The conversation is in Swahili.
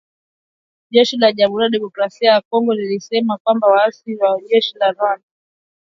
jeshi la Jamuhuri ya Demokrasia ya Kongo lilisema kwamba waasi wa M ishirini na tatu kwa msaada wa jeshi la Rwanda